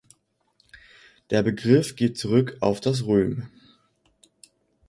Der Begriff geht zurück auf das röm.